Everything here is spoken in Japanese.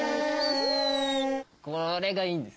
これがいいんです。